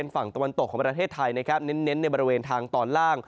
ฝั่งตะวันตกของประเทศไทยนะครับเน้นในบริเวณทางตอนล่าง